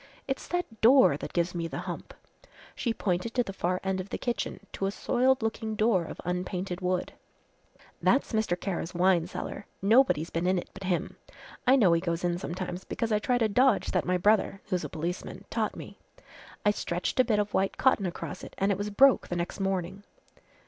It's that door that gives me the hump." She pointed to the far end of the kitchen to a soiled looking door of unpainted wood. "That's Mr. Kara's wine cellar nobody's been in it but him. I know he goes in sometimes because I tried a dodge that my brother who's a policeman taught me. I stretched a bit of white cotton across it an' it was broke the next morning."